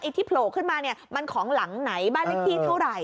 ไอ้ที่โผล่ขึ้นมามันของหลังไหนบ้านเล็กที่เท่าไหร่